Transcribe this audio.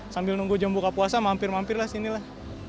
sambil nunggu jam buka puasa mampir mampir lah sinilah